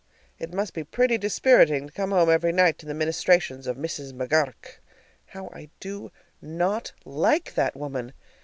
It must be pretty dispiriting to come home every night to the ministrations of Mrs. McGur rk. How I do not like that woman!